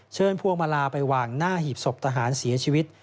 พวงมาลาไปวางหน้าหีบศพทหารเสียชีวิต